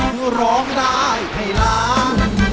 กุร่องได้ให้ล้าน